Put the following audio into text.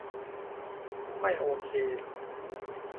ไม่โอเค.